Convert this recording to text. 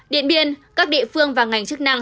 điện biên các địa phương và ngành chức năng